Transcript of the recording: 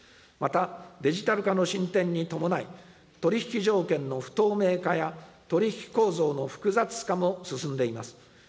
また、デジタル化の進展に伴い、取り引き条件の不透明化や取り引き構造の複雑化も進んでいます。